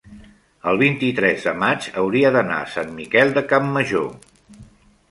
el vint-i-tres de maig hauria d'anar a Sant Miquel de Campmajor.